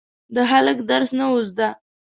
د هلک درس نه و زده.